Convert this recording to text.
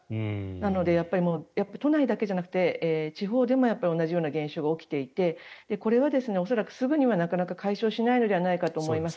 なので、都内だけじゃなくて地方でも同じような現象が起きていてこれは恐らくすぐにはなかなか解消しないのではないかと思います。